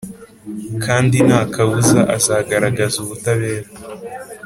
kandi nta kabuza, azagaragaza ubutabera.